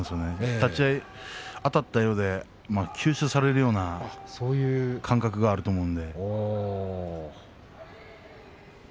立ち合いあたったようで吸収されるようなそういった感覚があると思います。